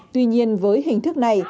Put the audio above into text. tuy nhiên với hình thức này